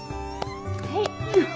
はい。